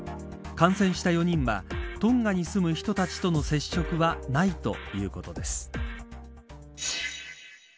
感染した４人はトンガに住む人たちとの接触はないということです。